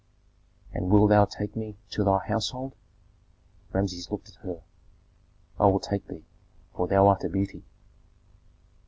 "And wilt thou take me to thy household?" Rameses looked at her. "I will take thee, for thou art a beauty."